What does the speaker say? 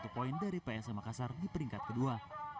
satu poin dari psm makassar di peringkat kedua